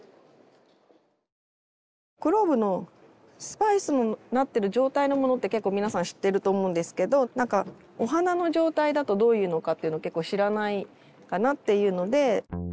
クローブのスパイスになってる状態のものって結構皆さん知っていると思うんですけどお花の状態だとどういうのかっていうの結構知らないかなっていうので。